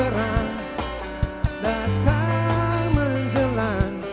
sang dasar mesta